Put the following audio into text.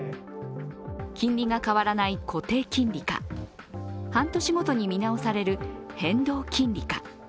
金利が変わらない固定金利か、半年ごとに見直される変動金利か。